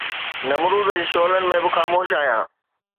نمرود جي شعلن ۾ به خاموش آهيان